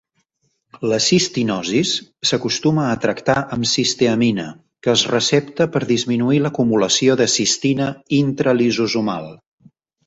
La cistinosis s'acostuma a tractar amb cisteamina, que es recepta per disminuir l'acumulació de cistina intralisosomal.